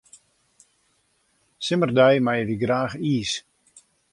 Simmerdei meie wy graach iis.